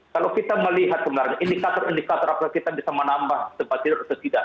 kalau kita melihat sebenarnya indikator indikator apakah kita bisa menambah tempat tidur atau tidak